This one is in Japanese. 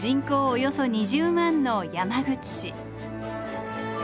およそ２０万の山口市。